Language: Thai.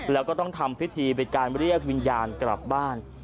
แล้วก็ต้องทำพิธีเป็นการเรียกวิญญาณกลับบ้าน